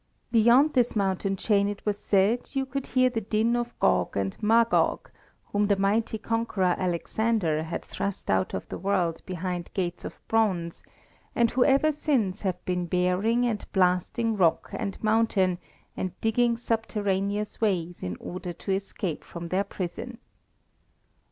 Beyond this mountain chain it was said you could hear the din of Gog and Magog, whom the mighty conqueror Alexander had thrust out of the world behind gates of bronze, and who ever since have been baring and blasting rock and mountain, and digging subterraneous ways in order to escape from their prison.